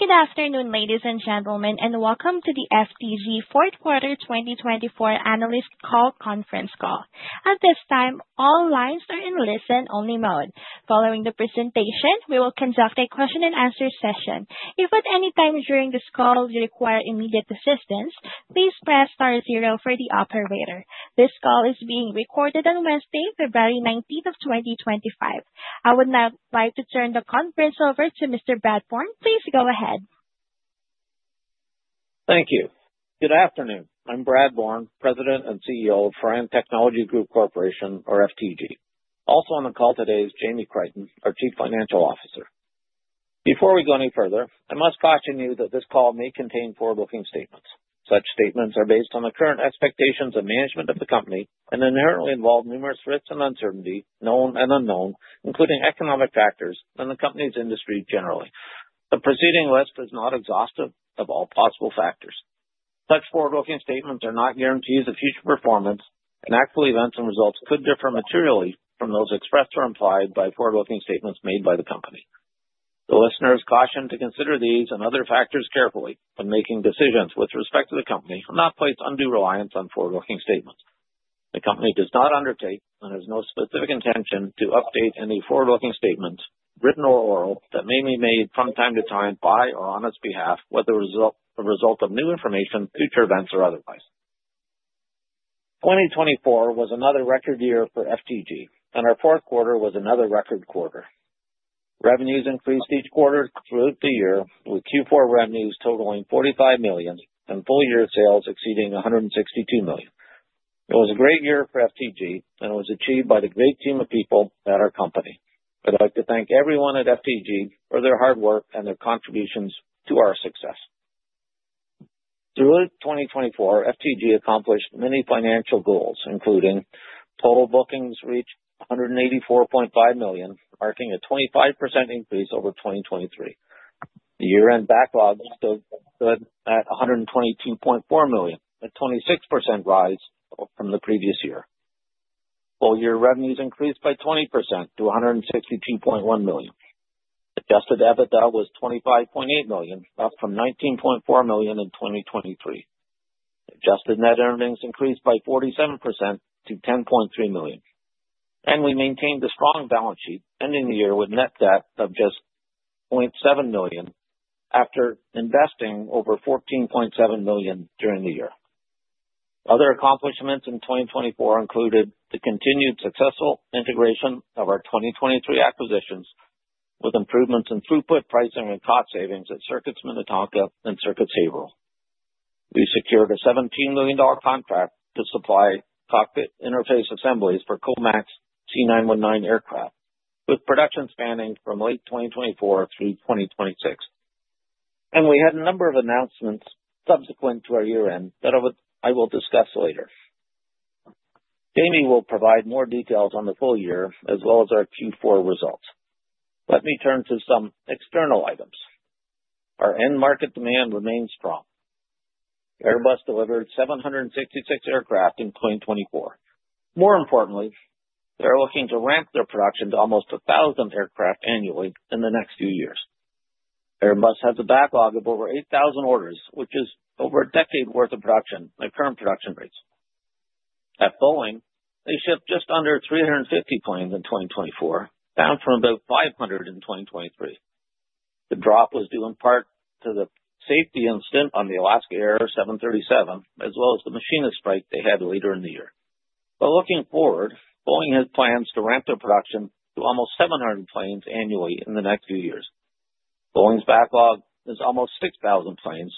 Good afternoon, ladies and gentlemen, and welcome to the FTG Fourth Quarter 2024 Analyst Call Conference Call. At this time, all lines are in listen-only mode. Following the presentation, we will conduct a question-and-answer session. If at any time during this call you require immediate assistance, please press star zero for the operator. This call is being recorded on Wednesday, February 19, 2025. I would now like to turn the conference over to Mr. Brad Bourne. Please go ahead. Thank you. Good afternoon. I'm Brad Bourne, President and CEO of Firan Technology Group Corporation, or FTG. Also on the call today is Jamie Crichton, our Chief Financial Officer. Before we go any further, I must caution you that this call may contain forward-looking statements. Such statements are based on the current expectations of management of the company and inherently involve numerous risks and uncertainty, known and unknown, including economic factors and the company's industry generally. The preceding list is not exhaustive of all possible factors. Such forward-looking statements are not guarantees of future performance, and actual events and results could differ materially from those expressed or implied by forward-looking statements made by the company. The listeners caution to consider these and other factors carefully when making decisions with respect to the company and not place undue reliance on forward-looking statements. The company does not undertake and has no specific intention to update any forward-looking statements, written or oral, that may be made from time to time by or on its behalf, whether a result of new information, future events, or otherwise. 2024 was another record year for FTG, and our fourth quarter was another record quarter. Revenues increased each quarter throughout the year, with Q4 revenues totaling $45 million and full-year sales exceeding $162 million. It was a great year for FTG, and it was achieved by the great team of people at our company. I'd like to thank everyone at FTG for their hard work and their contributions to our success. Throughout 2024, FTG accomplished many financial goals, including total bookings reached $184.5 million, marking a 25% increase over 2023. The year-end backlog stood at $122.4 million, a 26% rise from the previous year. Full-year revenues increased by 20% to $162.1 million. Adjusted EBITDA was $25.8 million, up from $19.4 million in 2023. Adjusted net earnings increased by 47% to $10.3 million. We maintained a strong balance sheet, ending the year with net debt of just $0.7 million after investing over $14.7 million during the year. Other accomplishments in 2024 included the continued successful integration of our 2023 acquisitions, with improvements in throughput, pricing, and cost savings at Circuits Minnetonka and Circuits Haverhill. We secured a $17 million contract to supply cockpit interface assemblies for COMAC C919 aircraft, with production spanning from late 2024 through 2026. We had a number of announcements subsequent to our year-end that I will discuss later. Jamie will provide more details on the full year as well as our Q4 results. Let me turn to some external items. Our end-market demand remains strong. Airbus delivered 766 aircraft in 2024. More importantly, they're looking to ramp their production to almost 1,000 aircraft annually in the next few years. Airbus has a backlog of over 8,000 orders, which is over a decade's worth of production at current production rates. At Boeing, they shipped just under 350 planes in 2024, down from about 500 in 2023. The drop was due in part to the safety incident on the Alaska Air 737, as well as the machinist strike they had later in the year. Looking forward, Boeing has plans to ramp their production to almost 700 planes annually in the next few years. Boeing's backlog is almost 6,000 planes,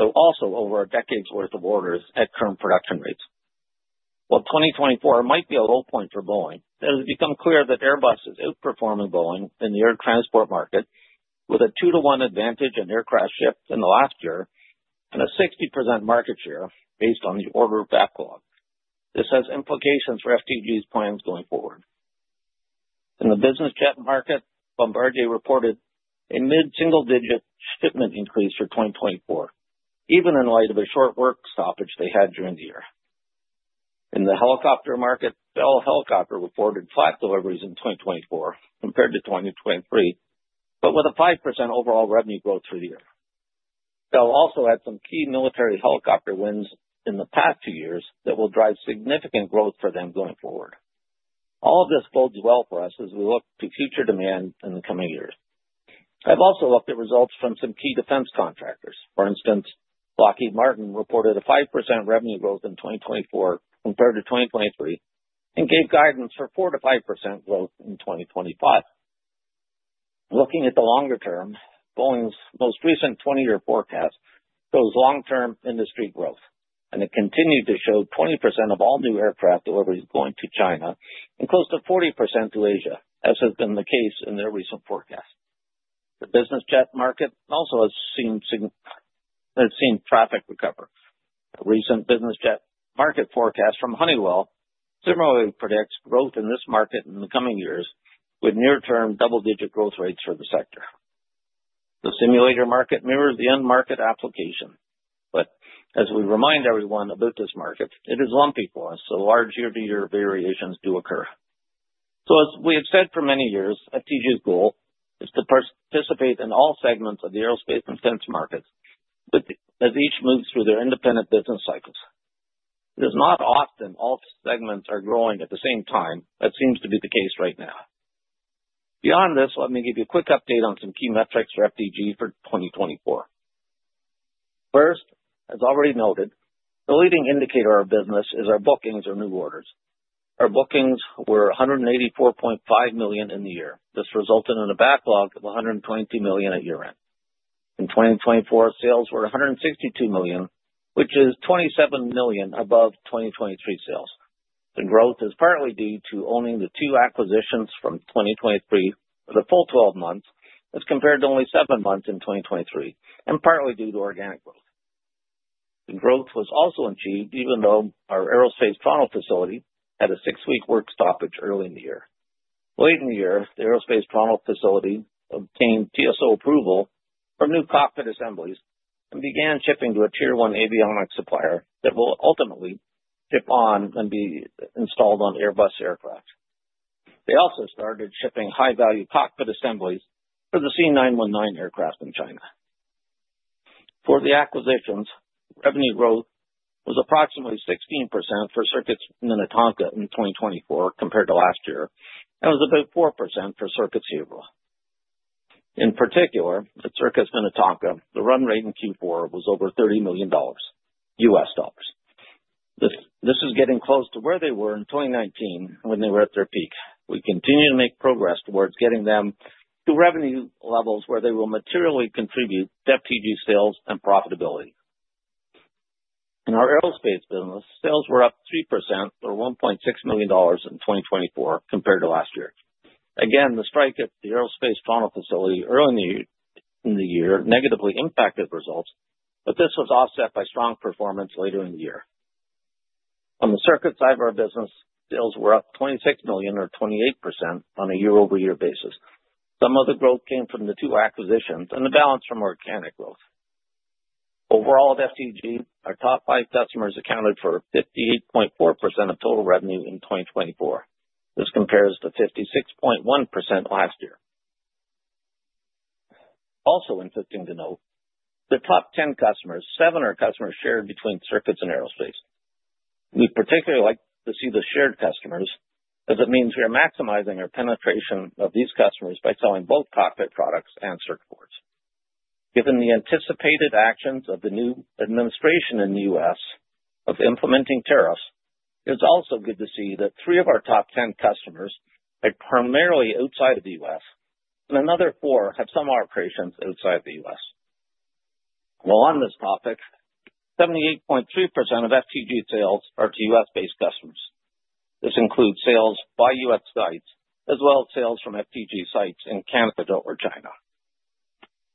though also over a decade's worth of orders at current production rates. While 2024 might be a low point for Boeing, it has become clear that Airbus is outperforming Boeing in the air transport market, with a 2-to-1 advantage in aircraft ship in the last year and a 60% market share based on the order backlog. This has implications for FTG's plans going forward. In the business jet market, Bombardier reported a mid-single-digit shipment increase for 2024, even in light of a short work stoppage they had during the year. In the helicopter market, Bell Helicopter reported flat deliveries in 2024 compared to 2023, but with a 5% overall revenue growth for the year. Bell also had some key military helicopter wins in the past two years that will drive significant growth for them going forward. All of this bodes well for us as we look to future demand in the coming years. I've also looked at results from some key defense contractors. For instance, Lockheed Martin reported a 5% revenue growth in 2024 compared to 2023 and gave guidance for 4%-5% growth in 2025. Looking at the longer term, Boeing's most recent 20-year forecast shows long-term industry growth, and it continued to show 20% of all new aircraft deliveries going to China and close to 40% to Asia, as has been the case in their recent forecast. The business jet market also has seen traffic recover. A recent business jet market forecast from Honeywell similarly predicts growth in this market in the coming years, with near-term double-digit growth rates for the sector. The simulator market mirrors the end-market application, but as we remind everyone about this market, it is lumpy for us, so large year-to-year variations do occur. As we have said for many years, FTG's goal is to participate in all segments of the aerospace and defense markets as each moves through their independent business cycles. It is not often all segments are growing at the same time, but seems to be the case right now. Beyond this, let me give you a quick update on some key metrics for FTG for 2024. First, as already noted, the leading indicator of business is our bookings or new orders. Our bookings were 184.5 million in the year. This resulted in a backlog of 120 million at year-end. In 2024, sales were 162 million, which is 27 million above 2023 sales. The growth is partly due to owning the two acquisitions from 2023 for the full 12 months, as compared to only 7 months in 2023, and partly due to organic growth. The growth was also achieved even though our aerospace Toronto facility had a six-week work stoppage early in the year. Late in the year, the aerospace Toronto facility obtained TSO approval for new cockpit assemblies and began shipping to a tier-one avionics supplier that will ultimately ship on and be installed on Airbus aircraft. They also started shipping high-value cockpit assemblies for the C919 aircraft in China. For the acquisitions, revenue growth was approximately 16% for Circuits Minnetonka in 2024 compared to last year, and was about 4% for Circuits Haverhill. In particular, at Circuits Minnetonka, the run rate in Q4 was over $30 million US dollars. This is getting close to where they were in 2019 when they were at their peak. We continue to make progress towards getting them to revenue levels where they will materially contribute to FTG sales and profitability. In our aerospace business, sales were up 3% or 1.6 million dollars in 2024 compared to last year. Again, the strike at the aerospace funnel facility early in the year negatively impacted results, but this was offset by strong performance later in the year. On the circuit side of our business, sales were up 26 million or 28% on a year-over-year basis. Some of the growth came from the two acquisitions and the balance from organic growth. Overall at FTG, our top five customers accounted for 58.4% of total revenue in 2024. This compares to 56.1% last year. Also interesting to note, the top 10 customers, seven are customers shared between circuits and aerospace. We particularly like to see the shared customers as it means we are maximizing our penetration of these customers by selling both cockpit products and circuit boards. Given the anticipated actions of the new administration in the U.S. of implementing tariffs, it's also good to see that three of our top 10 customers are primarily outside of the U.S., and another four have some operations outside of the U.S. While on this topic, 78.3% of FTG sales are to U.S.-based customers. This includes sales by U.S. sites as well as sales from FTG sites in Canada or China.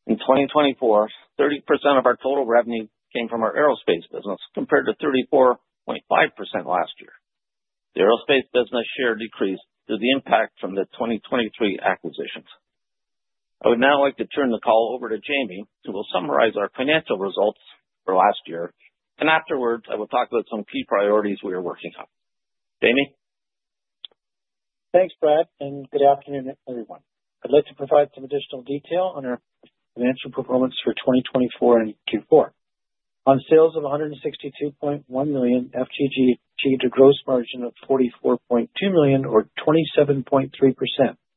In 2024, 30% of our total revenue came from our aerospace business compared to 34.5% last year. The aerospace business share decreased due to the impact from the 2023 acquisitions. I would now like to turn the call over to Jamie, who will summarize our financial results for last year, and afterwards, I will talk about some key priorities we are working on. Jamie? Thanks, Brad, and good afternoon, everyone. I'd like to provide some additional detail on our financial performance for 2024 and Q4. On sales of 162.1 million, FTG achieved a gross margin of 44.2 million, or 27.3%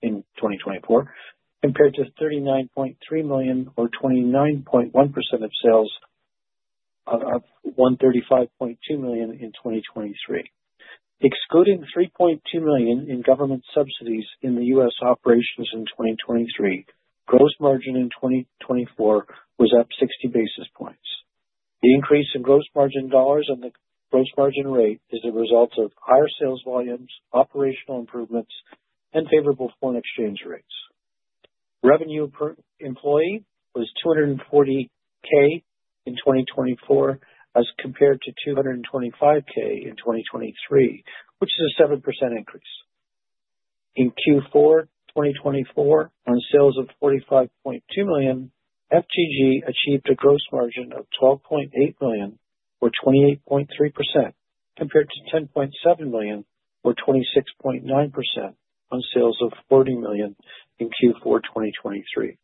in 2024, compared to 39.3 million, or 29.1% of sales of 135.2 million in 2023. Excluding 3.2 million in government subsidies in the U.S. operations in 2023, gross margin in 2024 was up 60 basis points. The increase in gross margin dollars and the gross margin rate is the result of higher sales volumes, operational improvements, and favorable foreign exchange rates. Revenue per employee was 240,000 in 2024 as compared to 225,000 in 2023, which is a 7% increase. In Q4 2024, on sales of 45.2 million, FTG achieved a gross margin of 12.8 million, or 28.3%, compared to 10.7 million, or 26.9%, on sales of 40 million in Q4 2023.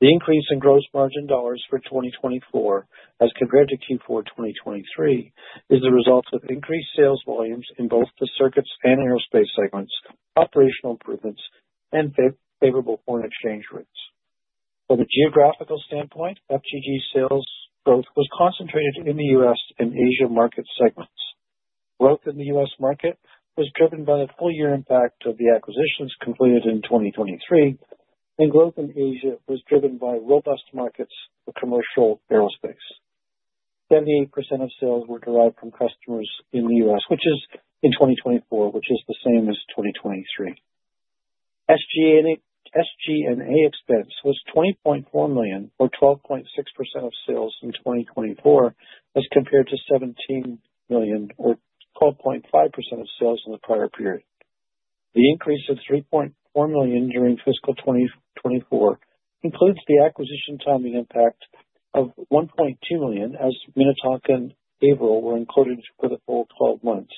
The increase in gross margin dollars for 2024 as compared to Q4 2023 is the result of increased sales volumes in both the circuits and aerospace segments, operational improvements, and favorable foreign exchange rates. From a geographical standpoint, FTG sales growth was concentrated in the U.S. and Asia market segments. Growth in the U.S. market was driven by the full-year impact of the acquisitions completed in 2023, and growth in Asia was driven by robust markets for commercial aerospace. 78% of sales were derived from customers in the U.S. in 2024, which is the same as 2023. SG&A expense was 20.4 million, or 12.6% of sales in 2024, as compared to 17 million, or 12.5% of sales in the prior period. The increase of $3.4 million during fiscal 2024 includes the acquisition timing impact of $1.2 million as Minnetonka and Haverhill were included for the full 12 months,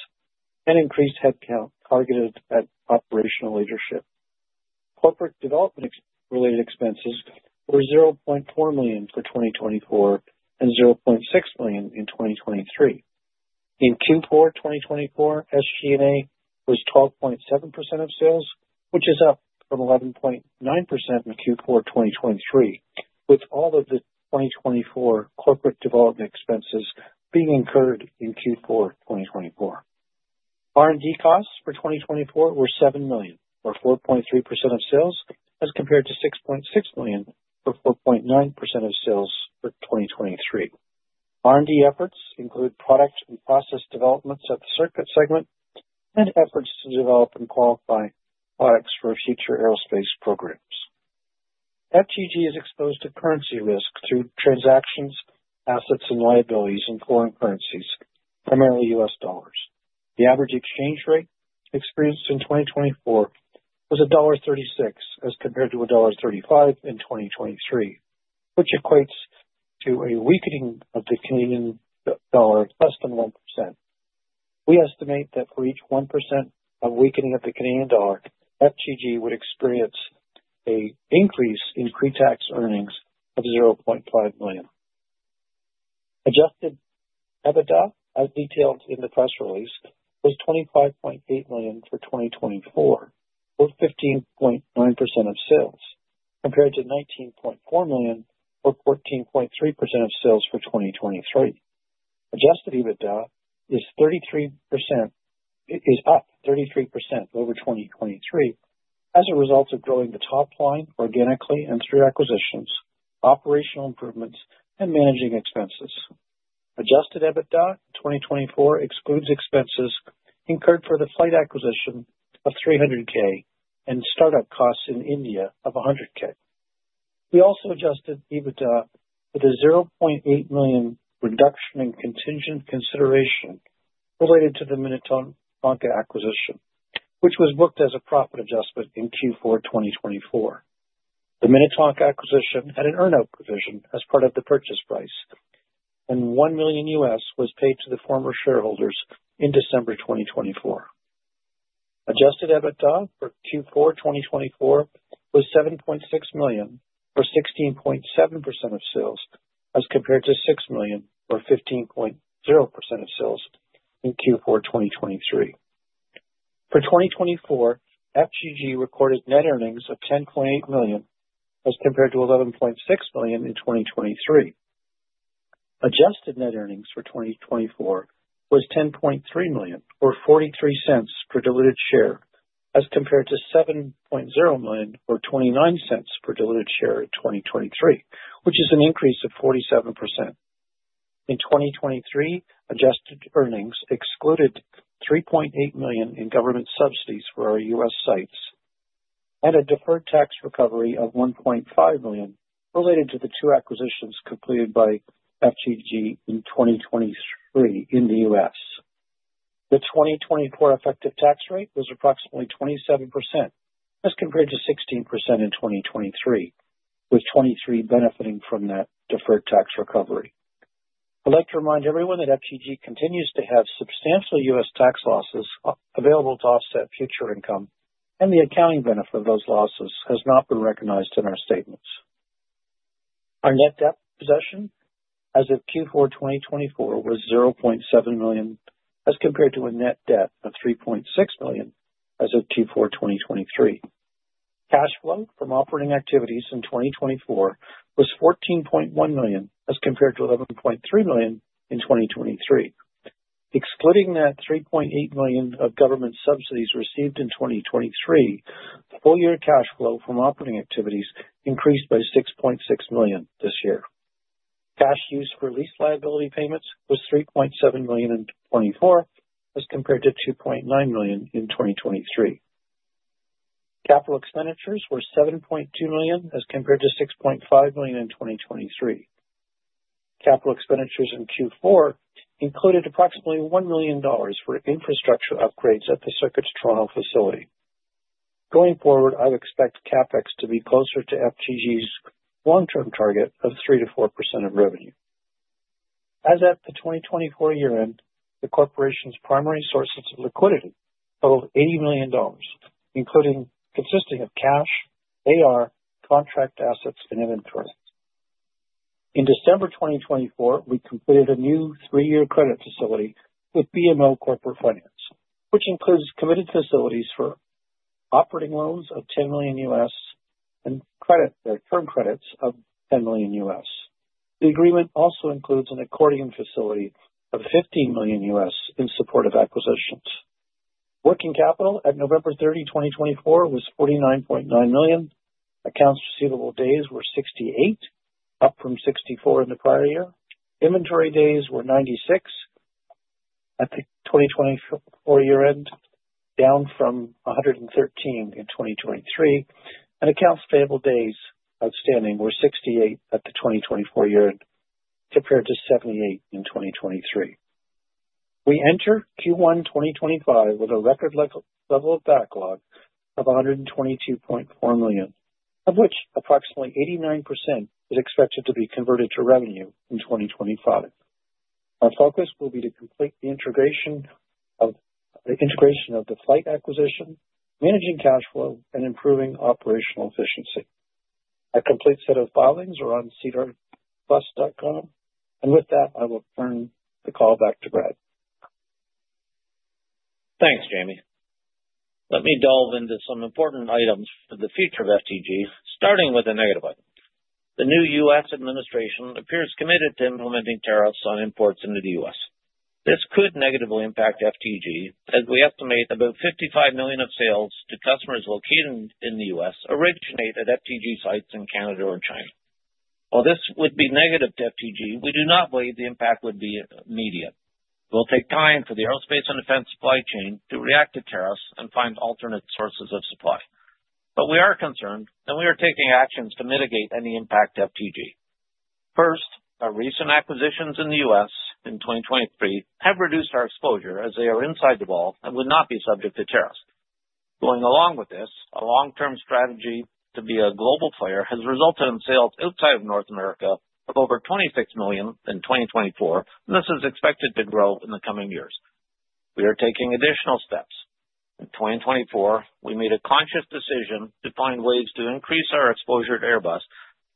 and increased headcount targeted at operational leadership. Corporate development-related expenses were $0.4 million for 2024 and $0.6 million in 2023. In Q4 2024, SG&A was 12.7% of sales, which is up from 11.9% in Q4 2023, with all of the 2024 corporate development expenses being incurred in Q4 2024. R&D costs for 2024 were $7 million, or 4.3% of sales, as compared to $6.6 million or 4.9% of sales for 2023. R&D efforts include product and process developments at the circuit segment and efforts to develop and qualify products for future aerospace programs. FTG is exposed to currency risk through transactions, assets, and liabilities in foreign currencies, primarily US dollars. The average exchange rate experienced in 2024 was $1.36 as compared to $1.35 in 2023, which equates to a weakening of the Canadian dollar of less than 1%. We estimate that for each 1% of weakening of the Canadian dollar, FTG would experience an increase in pre-tax earnings of $500,000. Adjusted EBITDA, as detailed in the press release, was $25.8 million for 2024, or 15.9% of sales, compared to $19.4 million, or 14.3% of sales for 2023. Adjusted EBITDA is up 33% over 2023 as a result of growing the top line organically and through acquisitions, operational improvements, and managing expenses. Adjusted EBITDA in 2024 excludes expenses incurred for the FLYHT acquisition of $300,000 and startup costs in India of $100,000. We also adjusted EBITDA with a $0.8 million reduction in contingent consideration related to the Minnetonka acquisition, which was booked as a profit adjustment in Q4 2024. The Minnetonka acquisition had an earnout provision as part of the purchase price, and $1 million US was paid to the former shareholders in December 2024. Adjusted EBITDA for Q4 2024 was $7.6 million, or 16.7% of sales, as compared to $6 million, or 15.0% of sales, in Q4 2023. For 2024, FTG recorded net earnings of $10.8 million as compared to $11.6 million in 2023. Adjusted net earnings for 2024 was $10.3 million, or $0.43 per diluted share, as compared to $7.0 million, or $0.29 per diluted share in 2023, which is an increase of 47%. In 2023, adjusted earnings excluded $3.8 million in government subsidies for our U.S. sites and a deferred tax recovery of $1.5 million related to the two acquisitions completed by FTG in 2023 in the U.S. The 2024 effective tax rate was approximately 27%, as compared to 16% in 2023, with 23% benefiting from that deferred tax recovery. I'd like to remind everyone that FTG continues to have substantial U.S. tax losses available to offset future income, and the accounting benefit of those losses has not been recognized in our statements. Our net debt position as of Q4 2024 was $0.7 million as compared to a net debt of $3.6 million as of Q4 2023. Cash flow from operating activities in 2024 was $14.1 million as compared to $11.3 million in 2023. Excluding that $3.8 million of government subsidies received in 2023, full-year cash flow from operating activities increased by $6.6 million this year. Cash used for lease liability payments was $3.7 million in 2024 as compared to $2.9 million in 2023. Capital expenditures were $7.2 million as compared to $6.5 million in 2023. Capital expenditures in Q4 included approximately $1 million for infrastructure upgrades at the Circuits Toronto facility. Going forward, I would expect CapEx to be closer to FTG's long-term target of 3%-4% of revenue. As at the 2024 year-end, the corporation's primary sources of liquidity totaled $80 million, consisting of cash, AR, contract assets, and inventory. In December 2024, we completed a new three-year credit facility with BMO Corporate Finance, which includes committed facilities for operating loans of $10 million US and firm credits of $10 million US .The agreement also includes an accordion facility of $15 million US in support of acquisitions. Working capital at November 30, 2024, was $49.9 million. Accounts receivable days were 68, up from 64 in the prior year. Inventory days were 96 at the 2024 year-end, down from $113 in 2023, and accounts payable days outstanding were 68 at the 2024 year-end, compared to $78 in 2023. We enter Q1 2025 with a record level of backlog of $122.4 million, of which approximately 89% is expected to be converted to revenue in 2025. Our focus will be to complete the integration of the FLYHT acquisition, managing cash flow, and improving operational efficiency. A complete set of filings are on sedarplus.com, and with that, I will turn the call back to Brad. Thanks, Jamie. Let me delve into some important items for the future of FTG, starting with a negative item. The new U.S. administration appears committed to implementing tariffs on imports into the U.S. This could negatively impact FTG, as we estimate about $55 million of sales to customers located in the U.S. originate at FTG sites in Canada or China. While this would be negative to FTG, we do not believe the impact would be immediate. It will take time for the aerospace and defense supply chain to react to tariffs and find alternate sources of supply. We are concerned, and we are taking actions to mitigate any impact to FTG. First, our recent acquisitions in the U.S. in 2023 have reduced our exposure as they are inside the ball and would not be subject to tariffs. Going along with this, a long-term strategy to be a global player has resulted in sales outside of North America of over 26 million in 2024, and this is expected to grow in the coming years. We are taking additional steps. In 2024, we made a conscious decision to find ways to increase our exposure to Airbus,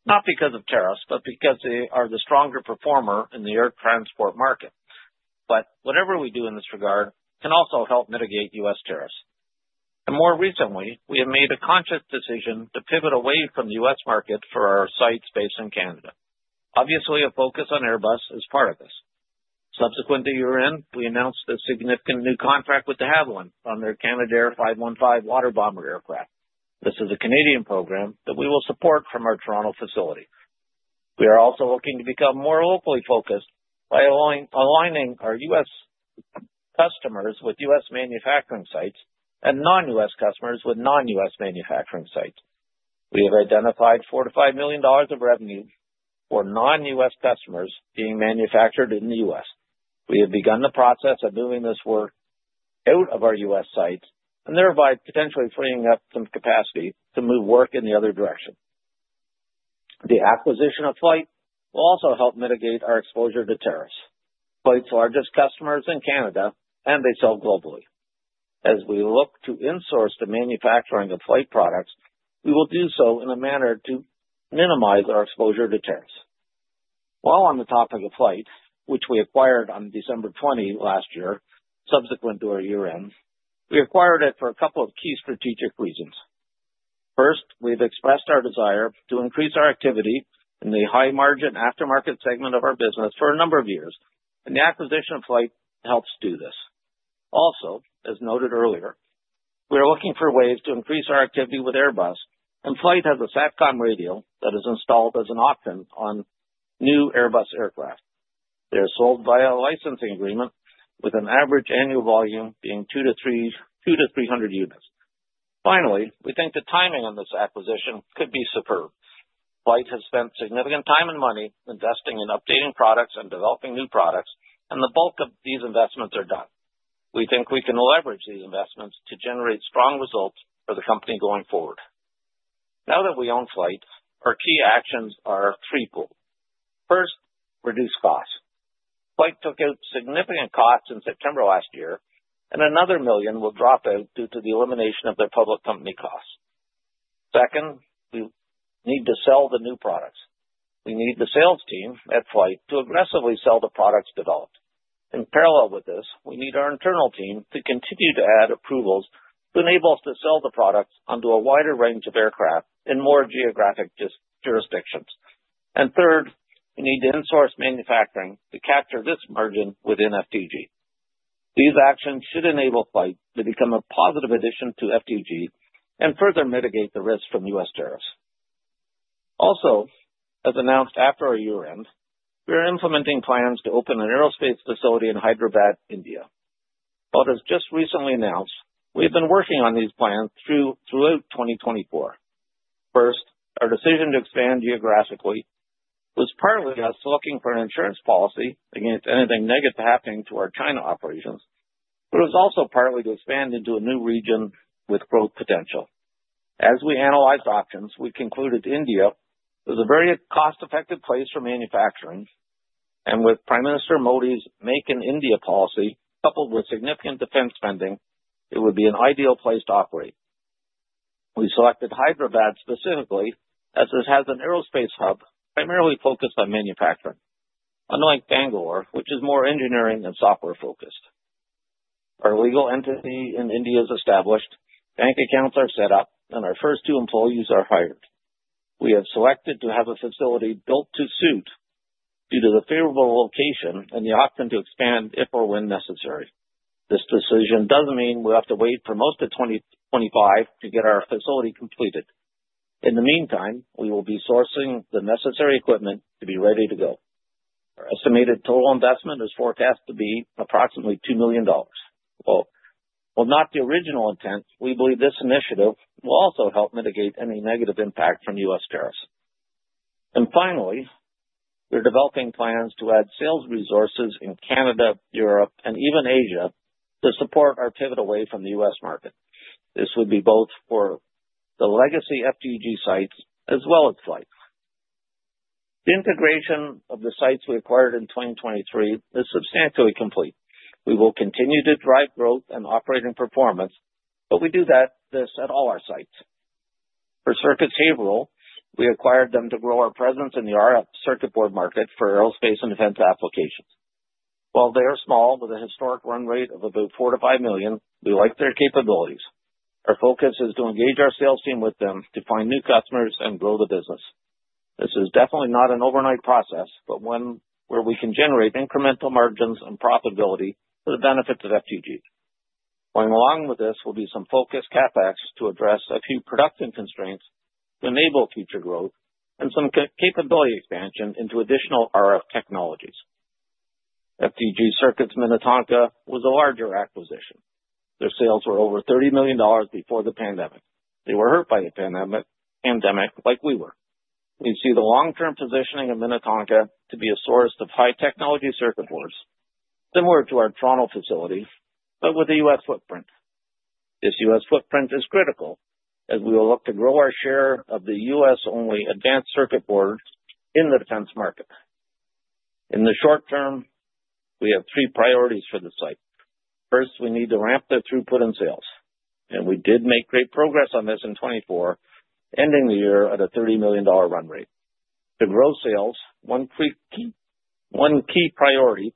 not because of tariffs, but because they are the stronger performer in the air transport market. Whatever we do in this regard can also help mitigate U.S. tariffs. More recently, we have made a conscious decision to pivot away from the U.S. market for our sites based in Canada. Obviously, a focus on Airbus is part of this. Subsequent to year-end, we announced a significant new contract with de Havilland on their Canadair 515 water bomber aircraft. This is a Canadian program that we will support from our Toronto facility. We are also looking to become more locally focused by aligning our U.S. customers with U.S. manufacturing sites and non-U.S. customers with non-U.S. manufacturing sites. We have identified $ 4 million-$5 million of revenue for non-U.S. customers being manufactured in the U.S. We have begun the process of moving this work out of our U.S. sites and thereby potentially freeing up some capacity to move work in the other direction. The acquisition of FLYHT will also help mitigate our exposure to tariffs. FLYHT's largest customers are in Canada, and they sell globally. As we look to insource the manufacturing of FLYHT products, we will do so in a manner to minimize our exposure to tariffs. While on the topic of FLYHT, which we acquired on December 20 last year, subsequent to our year-end, we acquired it for a couple of key strategic reasons. First, we have expressed our desire to increase our activity in the high-margin aftermarket segment of our business for a number of years, and the acquisition of FLYHT helps do this. Also, as noted earlier, we are looking for ways to increase our activity with Airbus, and FLYHT has a Satcom radio that is installed as an opt-in on new Airbus aircraft. They are sold via a licensing agreement, with an average annual volume being 200 units-300 units. Finally, we think the timing on this acquisition could be superb. FLYHT has spent significant time and money investing in updating products and developing new products, and the bulk of these investments are done. We think we can leverage these investments to generate strong results for the company going forward. Now that we own FLYHT, our key actions are threefold. First, reduce costs. FLYHT took out significant costs in September last year, and another $1 million will drop out due to the elimination of their public company costs. Second, we need to sell the new products. We need the sales team at FLYHT to aggressively sell the products developed. In parallel with this, we need our internal team to continue to add approvals to enable us to sell the products onto a wider range of aircraft in more geographic jurisdictions. Third, we need to insource manufacturing to capture this margin within FTG. These actions should enable FLYHT to become a positive addition to FTG and further mitigate the risk from U.S. tariffs. Also, as announced after our year-end, we are implementing plans to open an aerospace facility in Hyderabad, India. As just recently announced, we have been working on these plans throughout 2024. First, our decision to expand geographically was partly us looking for an insurance policy against anything negative happening to our China operations, but it was also partly to expand into a new region with growth potential. As we analyzed options, we concluded India was a very cost-effective place for manufacturing, and with Prime Minister Modi's Make in India policy coupled with significant defense spending, it would be an ideal place to operate. We selected Hyderabad specifically as it has an aerospace hub primarily focused on manufacturing, unlike Bangalore, which is more engineering and software-focused. Our legal entity in India is established, bank accounts are set up, and our first two employees are hired. We have selected to have a facility built to suit due to the favorable location and the option to expand if or when necessary. This decision does mean we'll have to wait for most of 2025 to get our facility completed. In the meantime, we will be sourcing the necessary equipment to be ready to go. Our estimated total investment is forecast to be approximately $2 million. While not the original intent, we believe this initiative will also help mitigate any negative impact from U.S. tariffs. Finally, we're developing plans to add sales resources in Canada, Europe, and even Asia to support our pivot away from the U.S. market. This would be both for the legacy FTG sites as well as FLYHT. The integration of the sites we acquired in 2023 is substantially complete. We will continue to drive growth and operating performance, but we do this at all our sites. For Circuits Haverhill, we acquired them to grow our presence in the RF Circuit Board market for aerospace and defense applications. While they are small with a historic run rate of about $4 million-$5 million, we like their capabilities. Our focus is to engage our sales team with them to find new customers and grow the business. This is definitely not an overnight process, but one where we can generate incremental margins and profitability for the benefit of FTG. Going along with this will be some focused CapEx to address a few production constraints to enable future growth and some capability expansion into additional RF technologies. FTG Circuits Minnetonka was a larger acquisition. Their sales were over $30 million before the pandemic. They were hurt by the pandemic like we were. We see the long-term positioning of Minnetonka to be a source of high-technology circuit boards, similar to our Toronto facility, but with a U.S. footprint. This U.S. Footprint is critical as we will look to grow our share of the U.S.-only advanced circuit boards in the defense market. In the short term, we have three priorities for the site. First, we need to ramp their throughput and sales, and we did make great progress on this in 2024, ending the year at a $30 million run rate. To grow sales, one key priority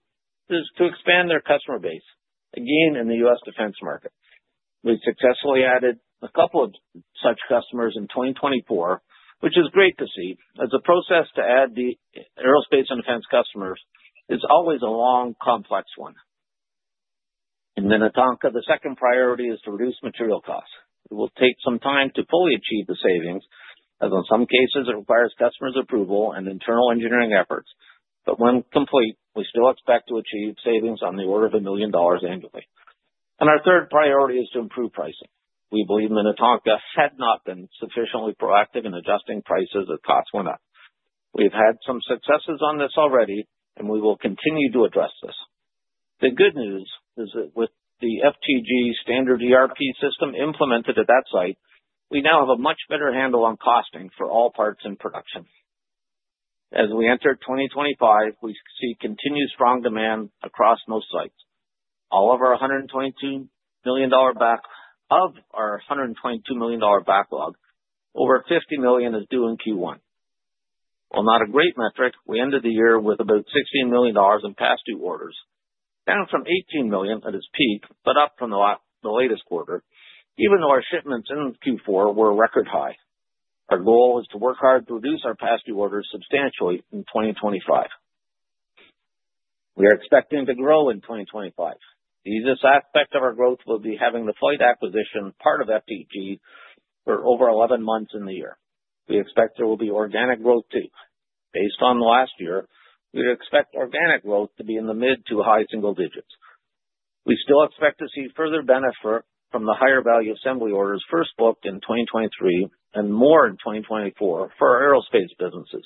is to expand their customer base, again in the U.S. defense market. We successfully added a couple of such customers in 2024, which is great to see, as the process to add the aerospace and defense customers is always a long, complex one. In Minnetonka, the second priority is to reduce material costs. It will take some time to fully achieve the savings, as in some cases it requires customers' approval and internal engineering efforts. When complete, we still expect to achieve savings on the order of $1 million annually. Our third priority is to improve pricing. We believe Minnetonka had not been sufficiently proactive in adjusting prices as costs went up. We have had some successes on this already, and we will continue to address this. The good news is that with the FTG standard ERP system implemented at that site, we now have a much better handle on costing for all parts in production. As we enter 2025, we see continued strong demand across most sites. Of our $122 million backlog, over $50 million is due in Q1. While not a great metric, we ended the year with about $16 million in past due orders, down from $18 million at its peak, but up from the latest quarter, even though our shipments in Q4 were record high. Our goal is to work hard to reduce our past due orders substantially in 2025. We are expecting to grow in 2025. The easiest aspect of our growth will be having the FLYHT acquisition part of FTG for over 11 months in the year. We expect there will be organic growth too. Based on the last year, we would expect organic growth to be in the mid-to-high single digits. We still expect to see further benefit from the higher value assembly orders first booked in 2023 and more in 2024 for aerospace businesses.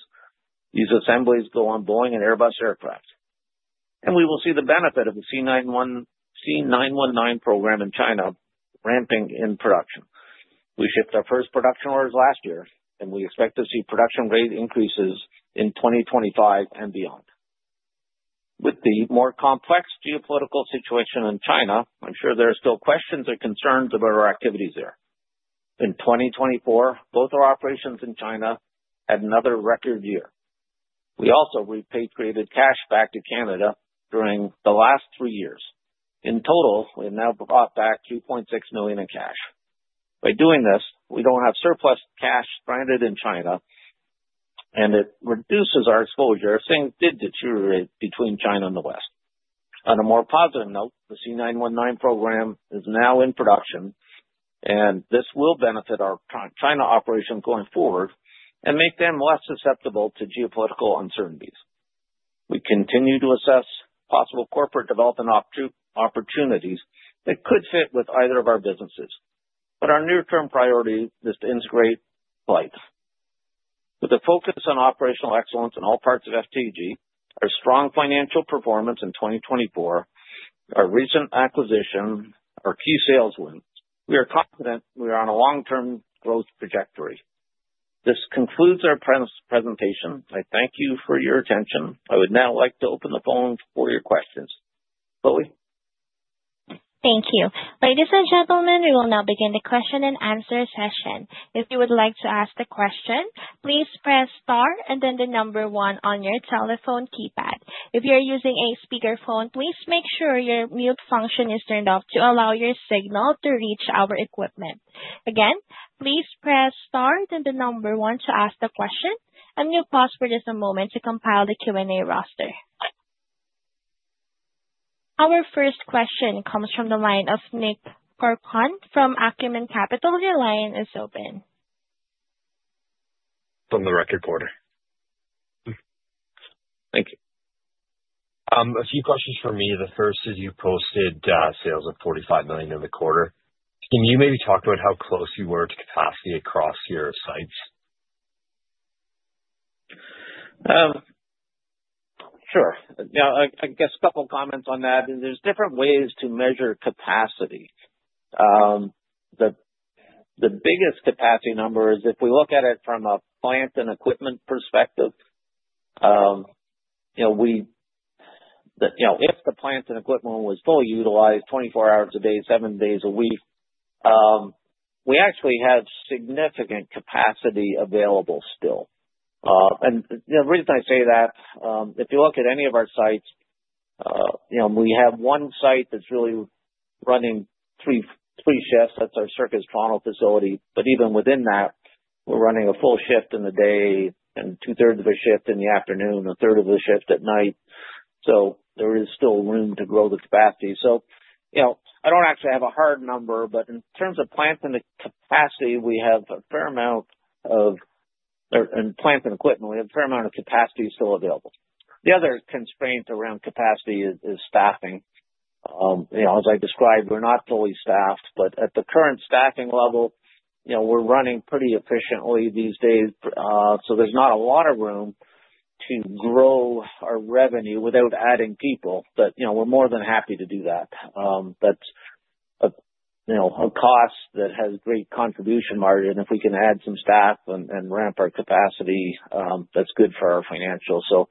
These assemblies go on Boeing and Airbus aircraft. We will see the benefit of the C919 program in China ramping in production. We shipped our first production orders last year, and we expect to see production rate increases in 2025 and beyond. With the more complex geopolitical situation in China, I'm sure there are still questions or concerns about our activities there. In 2024, both our operations in China had another record year. We also repatriated cash back to Canada during the last three years. In total, we have now brought back 2.6 million in cash. By doing this, we don't have surplus cash stranded in China, and it reduces our exposure, saying it did deteriorate between China and the West. On a more positive note, the C919 program is now in production, and this will benefit our China operations going forward and make them less susceptible to geopolitical uncertainties. We continue to assess possible corporate development opportunities that could fit with either of our businesses. Our near-term priority is to integrate FLYHT. With a focus on operational excellence in all parts of FTG, our strong financial performance in 2024, our recent acquisition, our key sales wins, we are confident we are on a long-term growth trajectory. This concludes our presentation. I thank you for your attention. I would now like to open the phone for your questions. Chloe? Thank you. Ladies and gentlemen, we will now begin the question-and-answer session. If you would like to ask a question, please press star and then the number one on your telephone keypad. If you are using a speakerphone, please make sure your mute function is turned off to allow your signal to reach our equipment. Again, please press star then the number one to ask the question, and you'll pause for just a moment to compile the Q&A roster. Our first question comes from the line of Nick Corcoran from Acumen Capital. Your line is open. From the record quarter. Thank you. A few questions for me. The first is you posted sales of $45 million in the quarter. Can you maybe talk about how close you were to capacity across your sites? Sure. Yeah, I guess a couple of comments on that. There's different ways to measure capacity. The biggest capacity number is if we look at it from a plant and equipment perspective, if the plant and equipment was fully utilized 24 hours a day, seven days a week, we actually have significant capacity available still. The reason I say that, if you look at any of our sites, we have one site that's really running three shifts. That's our Circuits Toronto facility. Even within that, we're running a full shift in the day and two-thirds of a shift in the afternoon, a third of the shift at night. There is still room to grow the capacity. I don't actually have a hard number, but in terms of plant and capacity, we have a fair amount of, and plant and equipment, we have a fair amount of capacity still available. The other constraint around capacity is staffing. As I described, we're not fully staffed, but at the current staffing level, we're running pretty efficiently these days. There's not a lot of room to grow our revenue without adding people, but we're more than happy to do that. That's a cost that has a great contribution margin. If we can add some staff and ramp our capacity, that's good for our financials. It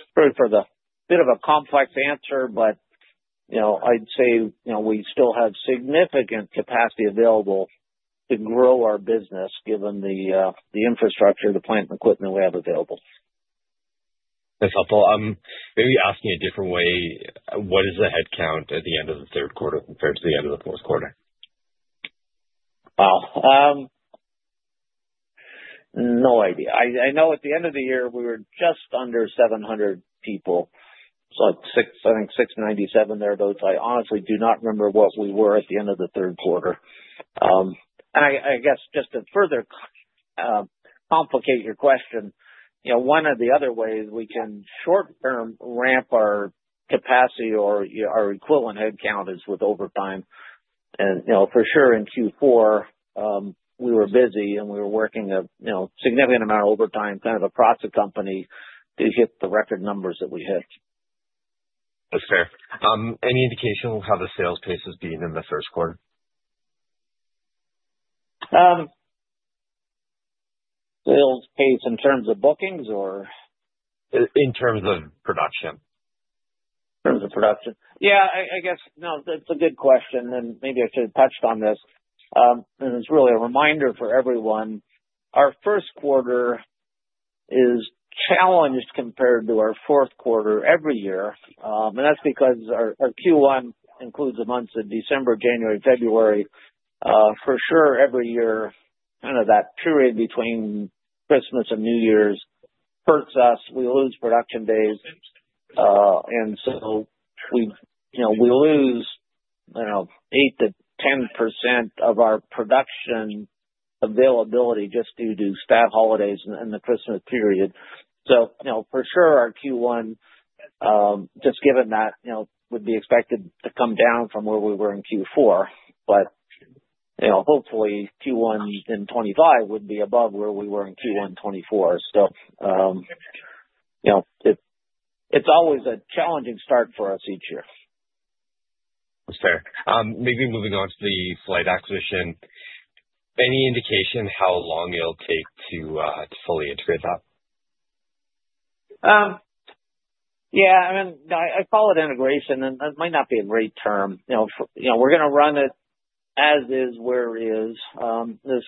is really for the bit of a complex answer, but I'd say we still have significant capacity available to grow our business given the infrastructure, the plant and equipment we have available. That's helpful. Maybe ask me a different way. What is the headcount at the end of the third quarter compared to the end of the fourth quarter? Wow. No idea. I know at the end of the year, we were just under 700 people. I think 697 thereabouts. I honestly do not remember what we were at the end of the third quarter. I guess just to further complicate your question, one of the other ways we can short-term ramp our capacity or our equivalent headcount is with overtime. For sure in Q4, we were busy and we were working a significant amount of overtime, kind of a proxy company to hit the record numbers that we hit. That's fair. Any indication of how the sales pace has been in the first quarter? Sales pace in terms of bookings or? In terms of production. In terms of production. Yeah, I guess, no, that's a good question. Maybe I should have touched on this. It's really a reminder for everyone. Our first quarter is challenged compared to our fourth quarter every year. That's because our Q1 includes the months of December, January, February. For sure, every year, kind of that period between Christmas and New Year's hurts us. We lose production days. We lose 8%-10% of our production availability just due to staff holidays in the Christmas period. For sure, our Q1, just given that, would be expected to come down from where we were in Q4. Hopefully, Q1 in 2025 would be above where we were in Q1 2024. It is always a challenging start for us each year. That's fair. Maybe moving on to the FLYHT acquisition. Any indication how long it'll take to fully integrate that? Yeah. I mean, I call it integration, and that might not be a great term. We're going to run it as is where it is. This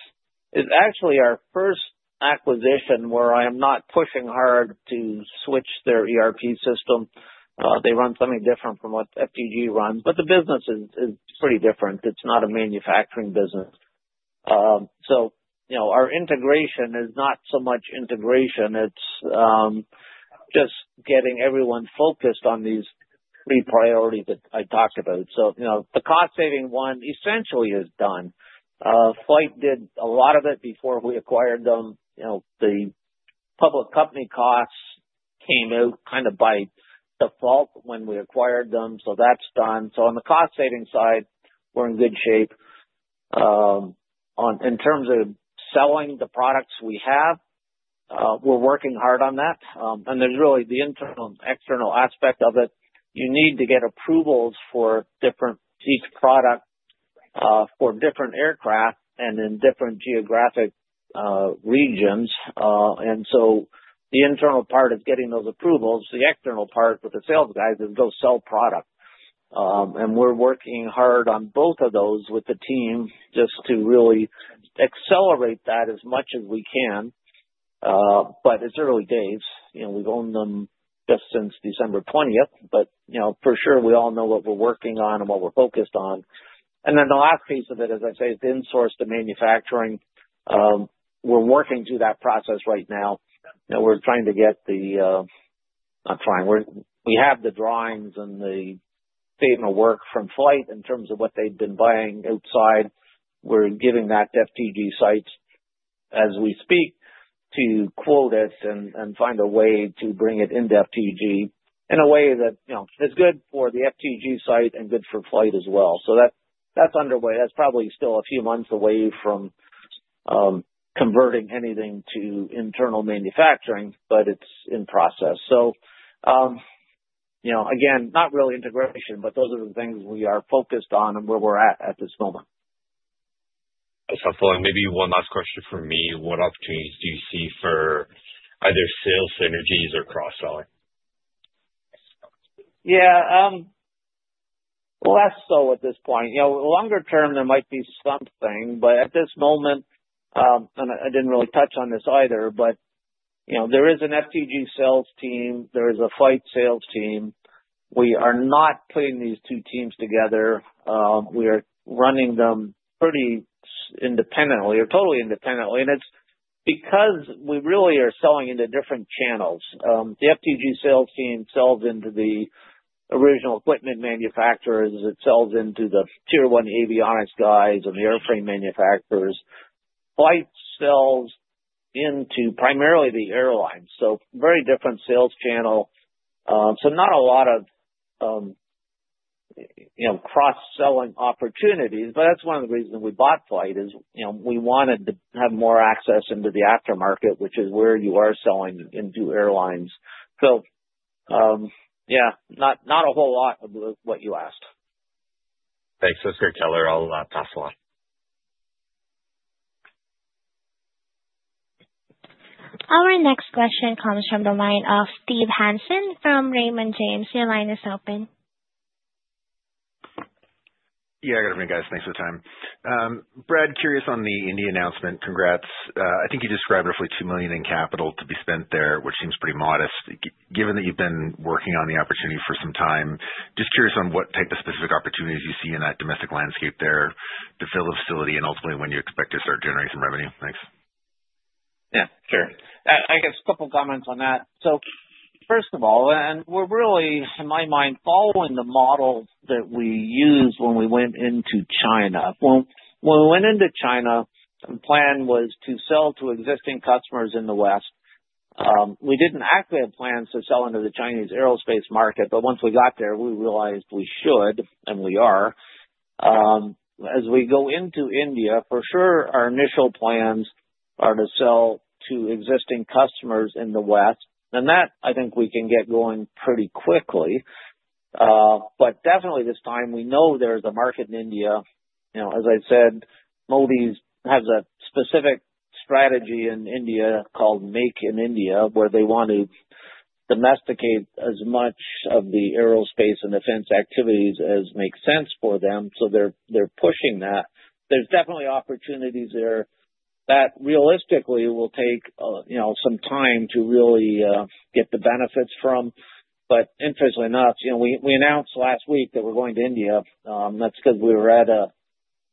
is actually our first acquisition where I am not pushing hard to switch their ERP system. They run something different from what FTG runs, but the business is pretty different. It's not a manufacturing business. Our integration is not so much integration. It's just getting everyone focused on these three priorities that I talked about. The cost-saving one essentially is done. FLYHT did a lot of it before we acquired them. The public company costs came out kind of by default when we acquired them. That is done. On the cost-saving side, we are in good shape. In terms of selling the products we have, we are working hard on that. There is really the internal and external aspect of it. You need to get approvals for each product for different aircraft and in different geographic regions. The internal part of getting those approvals, the external part with the sales guys is go sell product. We are working hard on both of those with the team just to really accelerate that as much as we can. It is early days. We have owned them just since December 20th, but for sure, we all know what we are working on and what we are focused on. The last piece of it, as I say, is to insource the manufacturing. We're working through that process right now. We're trying to get the—not trying. We have the drawings and the paperwork from FLYHT in terms of what they've been buying outside. We're giving that to FTG sites as we speak to quote us and find a way to bring it into FTG in a way that is good for the FTG site and good for FLYHT as well. That is underway. That is probably still a few months away from converting anything to internal manufacturing, but it is in process. Again, not really integration, but those are the things we are focused on and where we're at at this moment. That's helpful. Maybe one last question for me. What opportunities do you see for either sales synergies or cross-selling? Yeah. Less so at this point. Longer term, there might be something, but at this moment, and I did not really touch on this either, but there is an FTG sales team. There is a FLYHT sales team. We are not putting these two teams together. We are running them pretty independently or totally independently. It is because we really are selling into different channels. The FTG sales team sells into the original equipment manufacturers. It sells into the tier one avionics guys and the airframe manufacturers. FLYHT sells into primarily the airlines. Very different sales channel. Not a lot of cross-selling opportunities, but that is one of the reasons we bought FLYHT, as we wanted to have more access into the aftermarket, which is where you are selling into airlines. Not a whole lot of what you asked. Thanks. That is great, color. All that is helpful. Our next question comes from the line of Steve Hansen from Raymond James. Your line is open. Yeah, good evening, guys. Thanks for the time. Brad, curious on the India announcement. Congrats. I think you described roughly $2 million in capital to be spent there, which seems pretty modest. Given that you've been working on the opportunity for some time, just curious on what type of specific opportunities you see in that domestic landscape there to fill the facility and ultimately when you expect to start generating some revenue. Thanks. Yeah, sure. I guess a couple of comments on that. First of all, we're really, in my mind, following the model that we used when we went into China. When we went into China, the plan was to sell to existing customers in the West. We did not actually have plans to sell into the Chinese aerospace market, but once we got there, we realized we should, and we are. As we go into India, for sure, our initial plans are to sell to existing customers in the West. That, I think we can get going pretty quickly. Definitely this time, we know there is a market in India. As I said, Modi has a specific strategy in India called Make in India, where they want to domesticate as much of the aerospace and defense activities as makes sense for them. They are pushing that. There are definitely opportunities there that realistically will take some time to really get the benefits from. Interestingly enough, we announced last week that we are going to India. That is because we were at an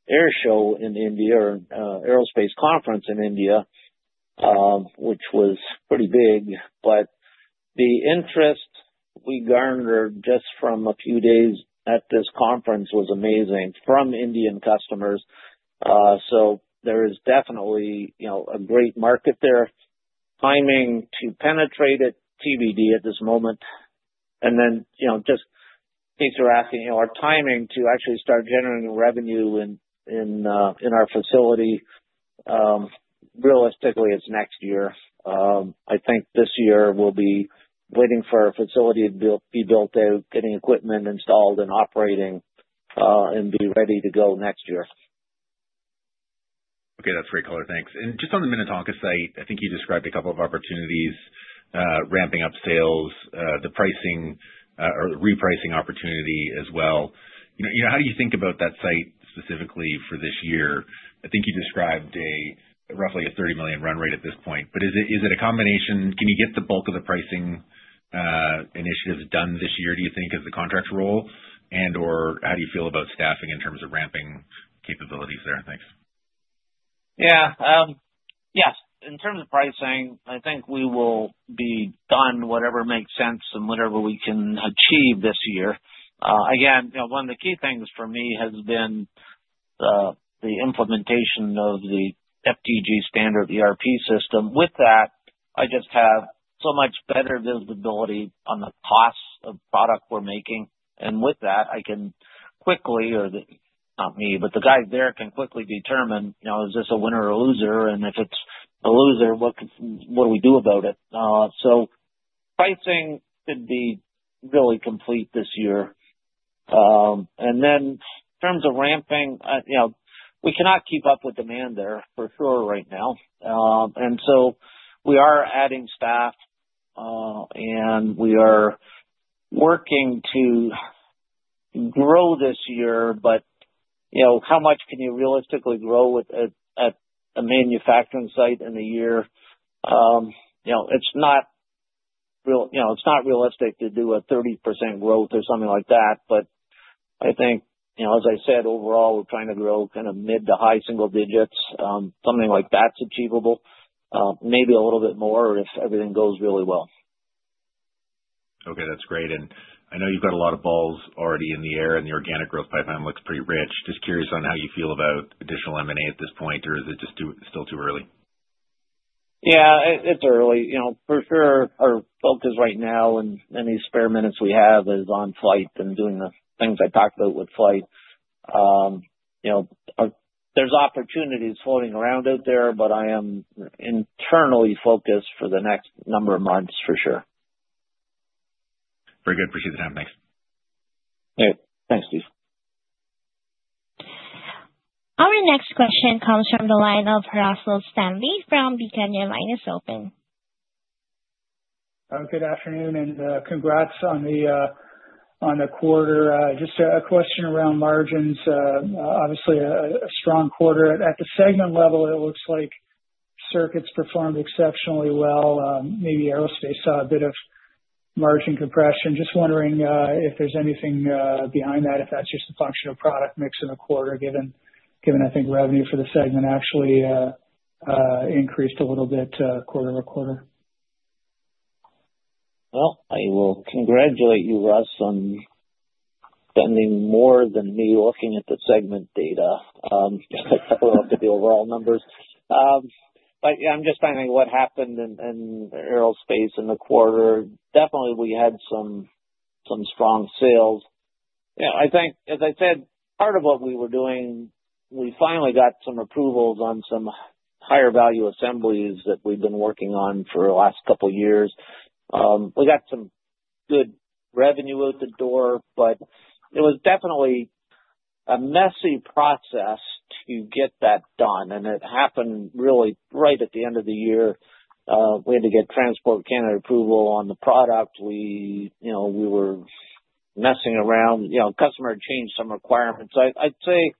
air show in India or an aerospace conference in India, which was pretty big. The interest we garnered just from a few days at this conference was amazing from Indian customers. There is definitely a great market there. Timing to penetrate is TBD at this moment. Just in case you're asking, our timing to actually start generating revenue in our facility, realistically, it's next year. I think this year we'll be waiting for our facility to be built out, getting equipment installed and operating, and be ready to go next year. That's great, color. Thanks. Just on the Minnetonka site, I think you described a couple of opportunities ramping up sales, the pricing or repricing opportunity as well. How do you think about that site specifically for this year? I think you described roughly a $30 million run rate at this point, but is it a combination? Can you get the bulk of the pricing initiatives done this year, do you think, as the contract role? And/or how do you feel about staffing in terms of ramping capabilities there? Thanks. Yeah. Yes. In terms of pricing, I think we will be done whatever makes sense and whatever we can achieve this year. Again, one of the key things for me has been the implementation of the FTG standard ERP system. With that, I just have so much better visibility on the cost of product we're making. With that, I can quickly—or not me, but the guys there can quickly determine is this a winner or a loser? If it's a loser, what do we do about it? Pricing should be really complete this year. In terms of ramping, we cannot keep up with demand there for sure right now. We are adding staff, and we are working to grow this year. How much can you realistically grow at a manufacturing site in a year? It's not realistic to do a 30% growth or something like that. I think, as I said, overall, we're trying to grow kind of mid-to-high single digits. Something like that's achievable. Maybe a little bit more if everything goes really well. Okay. That's great. I know you've got a lot of balls already in the air, and the organic growth pipeline looks pretty rich. Just curious on how you feel about additional M&A at this point, or is it just still too early? Yeah. It's early. For sure, our focus right now and any spare minutes we have is on FLYHT and doing the things I talked about with FLYHT. There's opportunities floating around out there, but I am internally focused for the next number of months for sure. Very good. Appreciate the time. Thanks. All right. Thanks, Steve. Our next question comes from the line of Russell Stanley from Beacon Securities. Good afternoon, and congrats on the quarter. Just a question around margins. Obviously, a strong quarter. At the segment level, it looks like circuits performed exceptionally well. Maybe aerospace saw a bit of margin compression. Just wondering if there's anything behind that, if that's just a function of product mix in the quarter, given I think revenue for the segment actually increased a little bit quarter-over-quarter. I will congratulate you, Russ, on spending more than me looking at the segment data. I don't know about the overall numbers. Yeah, I'm just finding what happened in aerospace in the quarter. Definitely, we had some strong sales. Yeah. I think, as I said, part of what we were doing, we finally got some approvals on some higher value assemblies that we've been working on for the last couple of years. We got some good revenue out the door, but it was definitely a messy process to get that done. It happened really right at the end of the year. We had to get Transport Canada approval on the product. We were messing around. Customer changed some requirements. I would say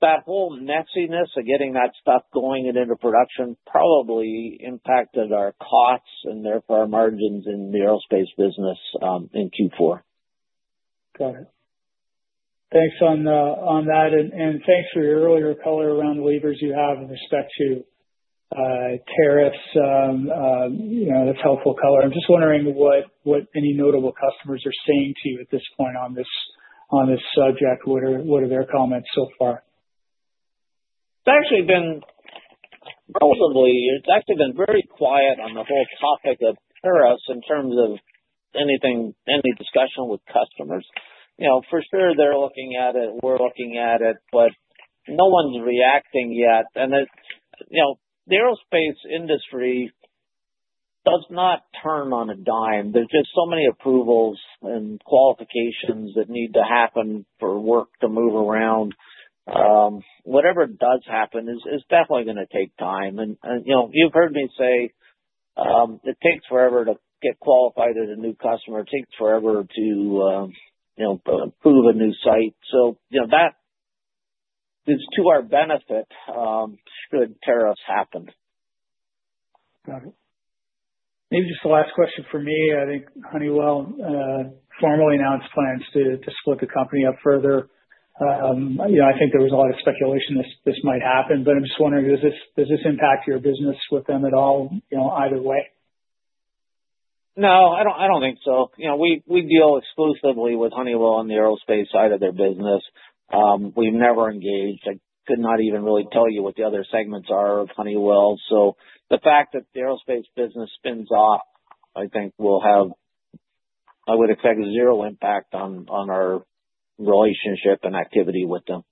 that whole messiness of getting that stuff going and into production probably impacted our costs and therefore our margins in the aerospace business in Q4. Got it. Thanks on that. Thanks for your earlier, color, around the levers you have in respect to tariffs. That's helpful, color. I'm just wondering what any notable customers are saying to you at this point on this subject. What are their comments so far? It's actually been relatively—it's actually been very quiet on the whole topic of tariffs in terms of any discussion with customers. For sure, they're looking at it. We're looking at it, but no one's reacting yet. The aerospace industry does not turn on a dime. There are just so many approvals and qualifications that need to happen for work to move around. Whatever does happen is definitely going to take time. You've heard me say it takes forever to get qualified as a new customer. It takes forever to approve a new site. That is to our benefit should tariffs happen. Got it. Maybe just the last question for me. I think Honeywell formally announced plans to split the company up further. I think there was a lot of speculation this might happen, but I'm just wondering, does this impact your business with them at all either way? No, I don't think so. We deal exclusively with Honeywell on the aerospace side of their business. We've never engaged. I could not even really tell you what the other segments are of Honeywell. The fact that the aerospace business spins off, I think will have—I would expect zero impact on our relationship and activity with them.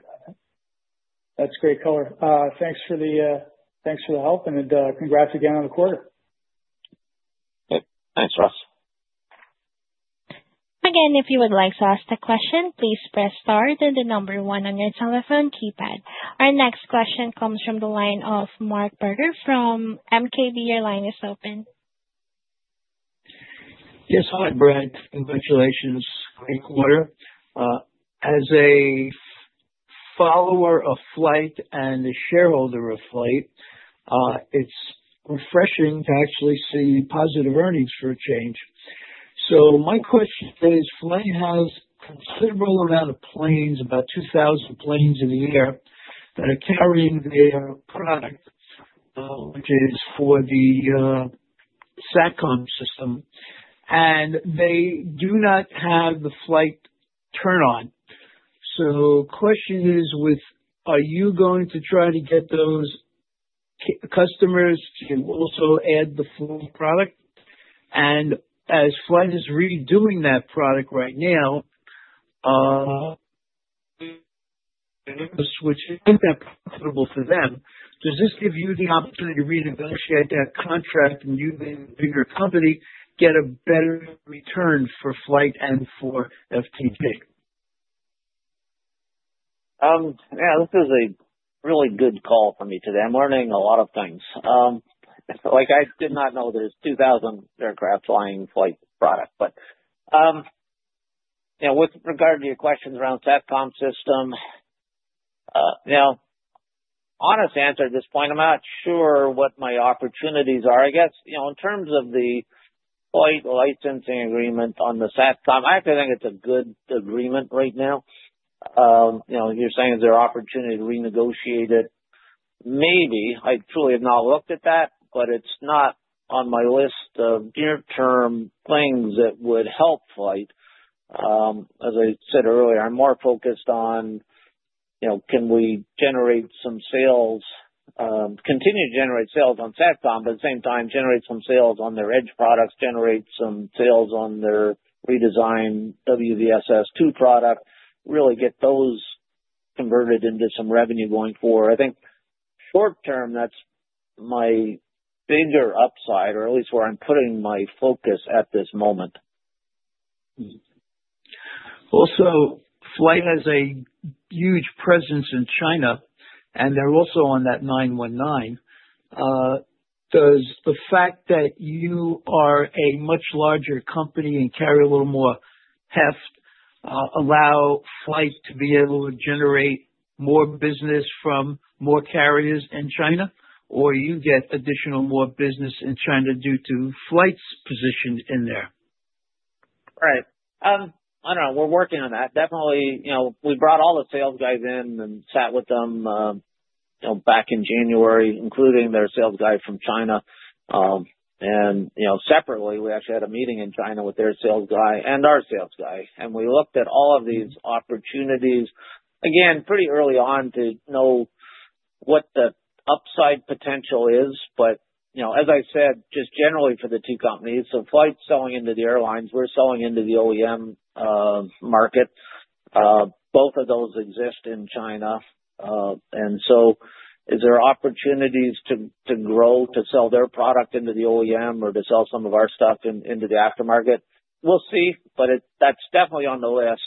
Got it. That's great, color. Thanks for the help, and congrats again on the quarter. Thanks, Russ. Again, if you would like to ask a question, please press star and the number one on your telephone keypad. Our next question comes from the line of Marc Berger from MKB. Your line is open. Yes. Hi, Brad. Congratulations on the quarter. As a follower of FLYHT and a shareholder of FLYHT, it's refreshing to actually see positive earnings for a change. My question is, FLYHT has a considerable amount of planes, about 2,000 planes in a year, that are carrying their product, which is for the Satcom system. They do not have the FLYHT turn-on. The question is, are you going to try to get those customers to also add the full product? As FLYHT is redoing that product right now, switching that profitable for them, does this give you the opportunity to renegotiate that contract and you, being a bigger company, get a better return for FLYHT and for FTG? Yeah. This is a really good call for me today. I'm learning a lot of things. I did not know there's 2,000 aircraft flying FLYHT product. With regard to your questions around the Satcom system, honest answer at this point, I'm not sure what my opportunities are. I guess in terms of the FLYHT licensing agreement on the Satcom, I actually think it's a good agreement right now. You're saying is there an opportunity to renegotiate it? Maybe. I truly have not looked at that, but it's not on my list of near-term things that would help FLYHT. As I said earlier, I'm more focused on can we generate some sales, continue to generate sales on Satcom, but at the same time, generate some sales on their edge products, generate some sales on their redesigned WVSS-II product, really get those converted into some revenue going forward. I think short-term, that's my bigger upside, or at least where I'm putting my focus at this moment. Also, FLYHT has a huge presence in China, and they're also on that 919. Does the fact that you are a much larger company and carry a little more heft allow FLYHT to be able to generate more business from more carriers in China, or do you get additional more business in China due to FLYHT's position in there? Right. I don't know. We're working on that. Definitely, we brought all the sales guys in and sat with them back in January, including their sales guy from China. Separately, we actually had a meeting in China with their sales guy and our sales guy. We looked at all of these opportunities, again, pretty early on to know what the upside potential is. As I said, just generally for the two companies, FLYHT's selling into the airlines. We're selling into the OEM market. Both of those exist in China. Is there opportunities to grow, to sell their product into the OEM, or to sell some of our stuff into the aftermarket? We'll see, but that's definitely on the list.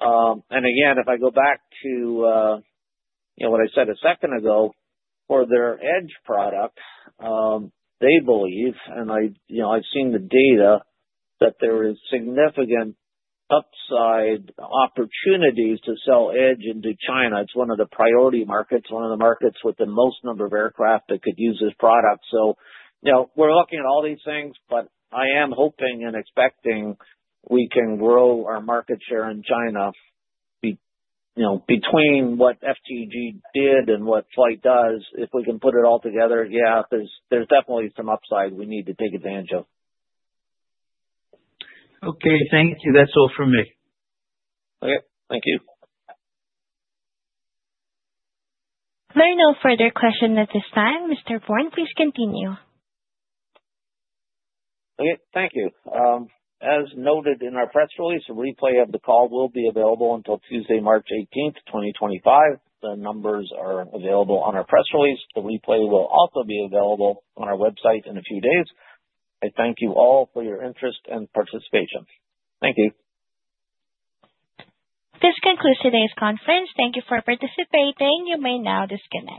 If I go back to what I said a second ago for their edge product, they believe, and I've seen the data, that there is significant upside opportunities to sell edge into China. It's one of the priority markets, one of the markets with the most number of aircraft that could use this product. We are looking at all these things, but I am hoping and expecting we can grow our market share in China. Between what FTG did and what FLYHT does, if we can put it all together, yeah, there's definitely some upside we need to take advantage of. Okay. Thank you. That's all from me. Okay. Thank you. There are no further questions at this time. Mr. Bourne, please continue. Okay. Thank you. As noted in our press release, a replay of the call will be available until Tuesday, March 18th, 2025. The numbers are available on our press release. The replay will also be available on our website in a few days. I thank you all for your interest and participation. Thank you. This concludes today's conference. Thank you for participating. You may now disconnect.